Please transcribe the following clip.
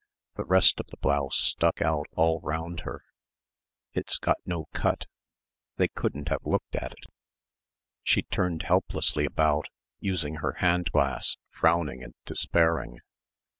The rest of the blouse stuck out all round her ... "it's got no cut ... they couldn't have looked at it." ... She turned helplessly about, using her hand glass, frowning and despairing.